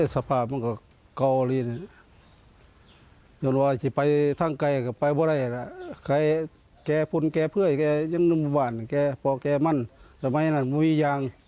สภาพของเขาเลย